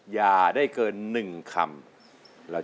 อย่าได้เกินหนึ่งคำ